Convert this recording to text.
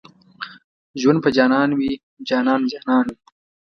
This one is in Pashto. ژوند په جانان وي جانان جانان وي